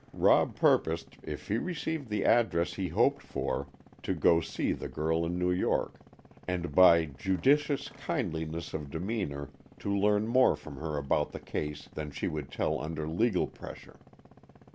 Rob purposed, if he received the address he hoped for, to go to see the girl in New York, and by judicious kindliness of demeanor to learn more from her about the case than she would tell under legal pressure.